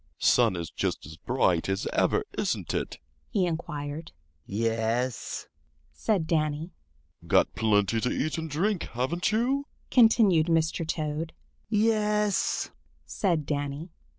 "Sun is just as bright as ever, isn't it?" he inquired. "Yes," said Danny. "Got plenty to eat and drink, haven't you?" continued Mr. Toad. "Yes," said Danny.